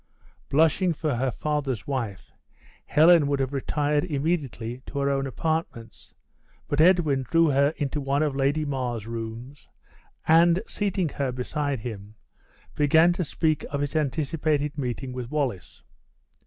Blushing for her father's wife, Helen would have retired immediately to her own apartments, but Edwin drew her into one of Lady Mar's rooms, and seating her beside him, began to speak of his anticipated meeting with Wallace.